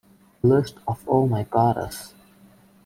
List of Oh My Goddess!